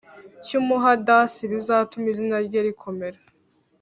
cy umuhadasi Bizatuma izina rye rikomera